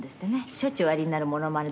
しょっちゅうおやりになるモノマネ